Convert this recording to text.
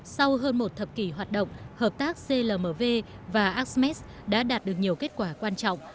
sau hơn một thập kỷ hoạt động hợp tác clmv và asemed đã đạt được nhiều kết quả quan trọng